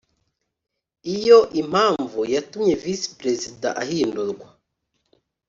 Iyo impamvu yatumye Visi Perezida ahindurwa